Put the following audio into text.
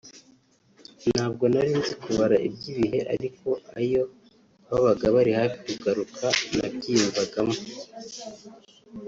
ntabwo nari nzi kubara iby’ibihe ariko ayo babaga bari hafi kugaruka nabyiyumvagamo